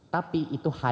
tapi itu hadir